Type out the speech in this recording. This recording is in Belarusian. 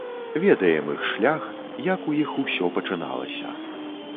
Ведаем іх шлях, як у іх усё пачыналася.